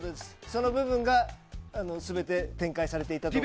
その部分が全て展開されていたと。